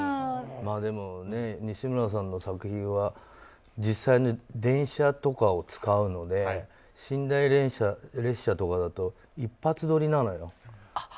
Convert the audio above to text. でも、西村さんの作品は実際に電車とかを使うので寝台列車とかだと一発撮りなのよ。